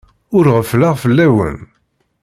Ur ɣeffleɣ fell-awen.